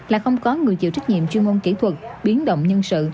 là không có người chịu trách nhiệm chuyên môn kỹ thuật biến động nhân sự